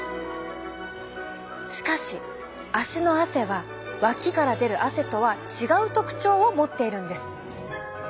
しかし足の汗は脇から出る汗とは違う特徴を持っているんです。